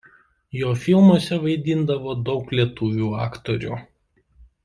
Jo filmuose vaidindavo daug lietuvių aktorių.